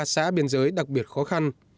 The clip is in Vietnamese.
ba xã biên giới đặc biệt khó khăn